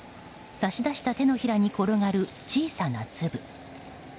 差し出した手のひらに転がる小さな粒。